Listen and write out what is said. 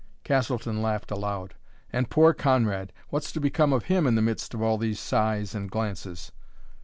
Castleton laughed aloud. "And poor Conrad! What's to become of him in the midst of all these sighs and glances?"